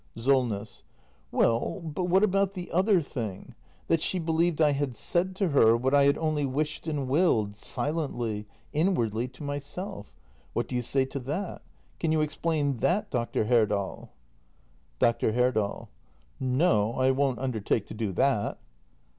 SOLNESS. Well, but what about the other thing? That she be lieved I had said to her what I had only wished and willed — silently — inwardly — to myself? What do you say to that? Can you explain that, Dr. Herdal ? Dr. Herdal. No, I won't undertake to do that.